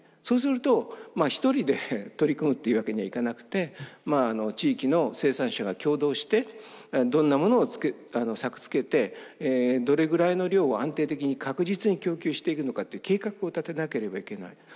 そうすると一人で取り組むっていうわけにはいかなくて地域の生産者が協同してどんなものを作付けてどれぐらいの量を安定的に確実に供給していくのかっていう計画を立てなければいけない。